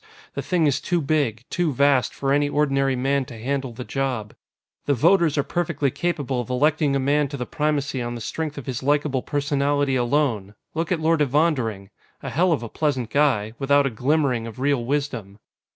The thing is too big, too vast, for any ordinary man to handle the job. The voters are perfectly capable of electing a man to the Primacy on the strength of his likable personality alone look at Lord Evondering. A hell of a pleasant guy, without a glimmering of real wisdom.